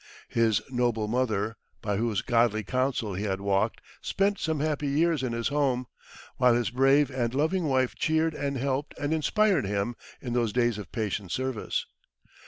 His noble mother, by whose godly counsel he had walked, spent some happy years in his home; while his brave and loving wife cheered and helped and inspired him in those days of patient service.